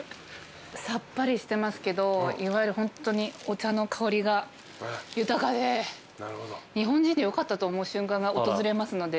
さっぱりしてますけどホントにお茶の香りが豊かで日本人でよかったと思う瞬間が訪れますので。